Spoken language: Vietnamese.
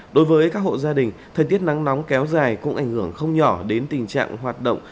đối với các hộ gia đình thời tiết nắng nóng kéo dài cũng ảnh hưởng không nhỏ đến tình trạng hoạt động